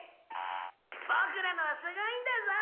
「ボクらのはすごいんだぞ！」